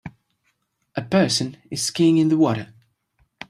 A person is skiing in the water